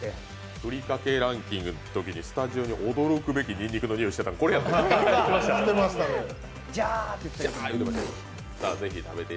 ふりかけランキングのときにスタジオに驚くべきにんにくの匂いがしてたのはこれやったんやな。